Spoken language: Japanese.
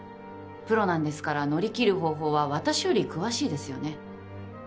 プロなんですから乗り切る方法は私より詳しいですよね？